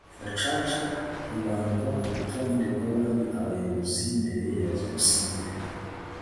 gacaca hibandwa ku rutonde rw abari abayobozi mbere ya jenoside